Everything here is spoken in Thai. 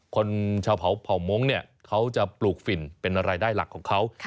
คนชาวเผ่าโม้งเนี่ยเขาจะปลูกฝิ่นเป็นอะไรได้หลักของเขา